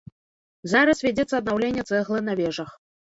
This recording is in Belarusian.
Зараз вядзецца аднаўленне цэглы на вежах.